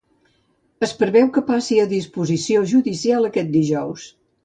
Es preveu que passi a disposició judicial aquest dijous.